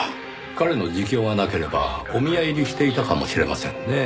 彼の自供がなければお宮入りしていたかもしれませんねぇ。